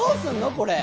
これ。